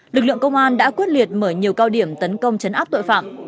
lực lượng công an đã quyết liệt mở nhiều cao điểm tấn công chấn áp tội phạm